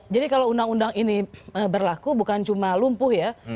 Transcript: jadi kalau undang undang ini berlaku bukan cuma lumpuh ya